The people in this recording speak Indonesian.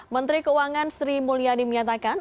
menteri keuangan sri mulyani menyatakan